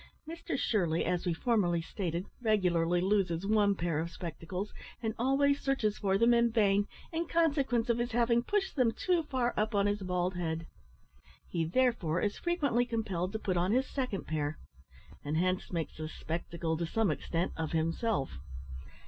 Mr Shirley, as we formerly stated, regularly loses one pair of spectacles, and always searches for them in vain, in consequence of his having pushed them too far up on his bald head; he, therefore, is frequently compelled to put on his second pair, and hence makes a spectacle, to some extent, of himself.